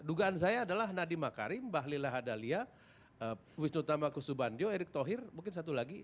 dugaan saya adalah nadiemah karim mbah lila hadaliah wisnu thambakus subandyo erick thohir mungkin satu lagi